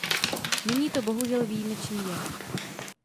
Není to, bohužel, výjimečný jev.